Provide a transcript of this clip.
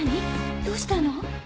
どうしたの？